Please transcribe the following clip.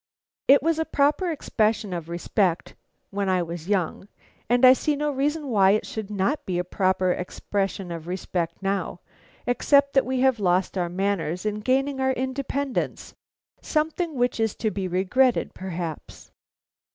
It was a proper expression of respect when I was young, and I see no reason why it should not be a proper expression of respect now, except that we have lost our manners in gaining our independence, something which is to be regretted perhaps.